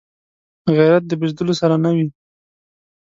غیرت د بزدلو سره نه وي